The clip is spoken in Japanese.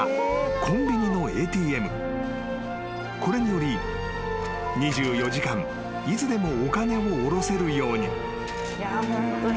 ［これにより２４時間いつでもお金を下ろせるように］